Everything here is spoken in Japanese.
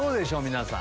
皆さん。